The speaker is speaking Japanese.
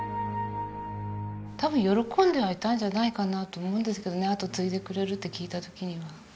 多分喜んではいたんじゃないかなと思うんですけどね後を継いでくれるって聞いた時には。